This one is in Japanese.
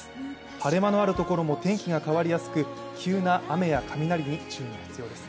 晴れ間のあるところも天気が変わりやすく急な雨や雷に注意が必要です。